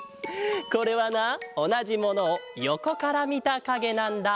これはなおなじものをよこからみたかげなんだ。